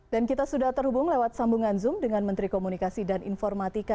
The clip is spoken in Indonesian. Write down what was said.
dan kita sudah terhubung lewat sambungan zoom dengan menteri komunikasi dan informatik